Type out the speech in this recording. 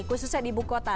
khususnya di buku kota